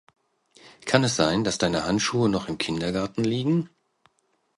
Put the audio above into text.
Kann es sein, dass deine Handschuhe noch im Kindergarten liegen?